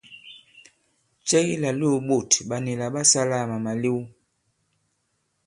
Cɛ ki làlōō ɓôt ɓa nila ɓa sālā àma màlew ?